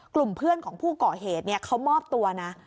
กลุ่มเพื่อนของผู้ก่อเหตุเขามอบตัวนะ